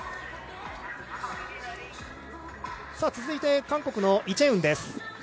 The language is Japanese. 続いて韓国のイ・チェウンです。